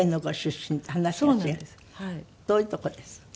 どういう所です？